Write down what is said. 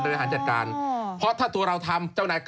ในการจัดการเพราะถ้าตัวเราทำ